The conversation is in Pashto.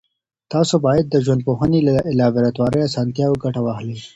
تاسو باید د ژوندپوهنې له لابراتواري اسانتیاوو ګټه واخلئ.